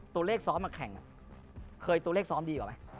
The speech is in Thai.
ซ้อมมาแข่งเคยตัวเลขซ้อมดีกว่าไหม